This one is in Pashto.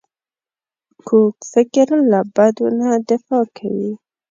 کوږ فکر له بدو نه دفاع کوي